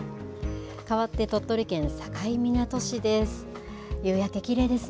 かわって、鳥取県境港市です。